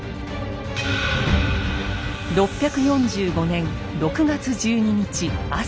６４５年６月１２日朝。